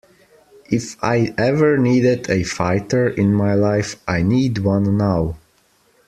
If I ever needed a fighter in my life I need one now.